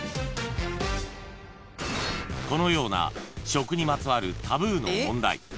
［このような食にまつわるタブーの問題］